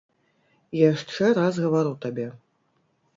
Яшчэ раз гавару табе.